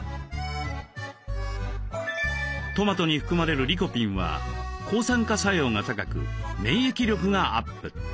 トマトに含まれるリコピンは抗酸化作用が高く免疫力がアップ。